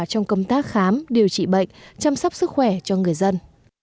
trong công tác khám điều trị bệnh chăm sóc sức khỏe cho người dân